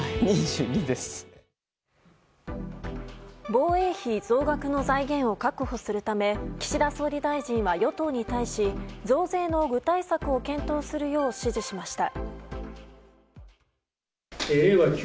防衛費増額の財源を確保するため岸田総理大臣は与党に対し増税の具体策を検討するよう指示しました。